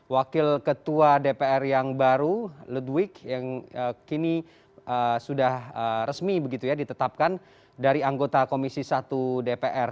wakil ketua dpr yang baru ludwig yang kini sudah resmi begitu ya ditetapkan dari anggota komisi satu dpr